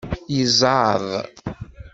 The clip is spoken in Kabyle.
Yezɛeḍ.